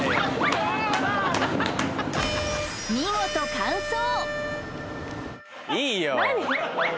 見事完走！